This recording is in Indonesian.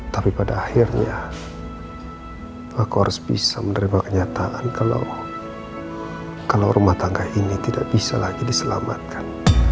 tapi pada akhirnya aku harus bisa menerima kenyataan kalau rumah tangga ini tidak bisa lagi diselamatkan